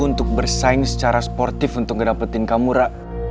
dia minta aku bersaing secara sportif untuk ngedapetin kamu rara